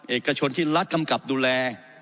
เอกชนที่รัฐกำกับดูแล